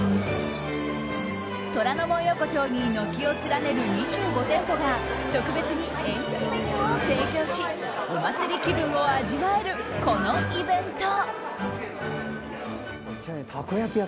虎ノ門横丁に軒を連ねる２５店舗が特別に縁日メニューを提供しお祭り気分を味わえるこのイベント。